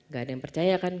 gak ada yang percaya kan